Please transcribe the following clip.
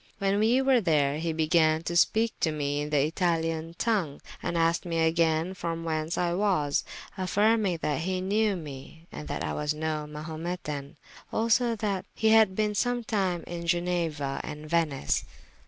When we were there, he began to speake to me in the Italian tongue, and asked me agayne from whence I was, affyrming that he knewe me, and that I was no Mahumetan: also that he had been sometyme in Genua and Venice.